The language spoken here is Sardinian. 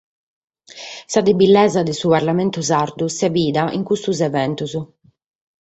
Sa debilesa de su parlamentu sardu s’est bida in custos eventos.